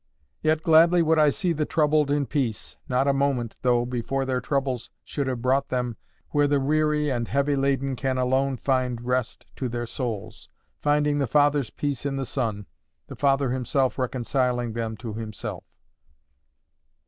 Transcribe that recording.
Yet gladly would I see the troubled in peace—not a moment, though, before their troubles should have brought them where the weary and heavy laden can alone find rest to their souls—finding the Father's peace in the Son—the Father himself reconciling them to Himself.